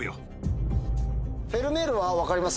フェルメールは分かります？